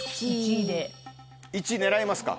１位狙いますか。